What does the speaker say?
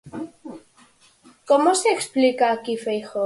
Como se explica aquí Feijóo?